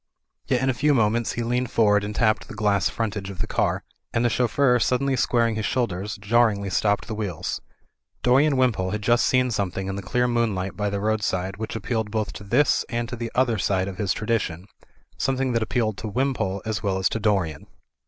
Yet in a few moments he leaned forward and tapped the glass frontage of the car, and the chauffeur sud denly squaring his shoulders, jarringly stopped the wheels. Dorian Wimpole had just seen something in the clear moonlight by the roadside, which appealed both to this and to the other side of his tradition; something that appealed to Wimpole as well as to Dorian.